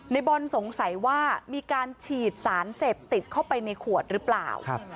ในบอลสงสัยว่ามีการฉีดสารเสพติดเข้าไปในขวดหรือเปล่า